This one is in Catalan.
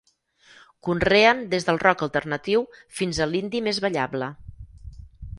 Conreen des del rock alternatiu fins a l'indie més ballable.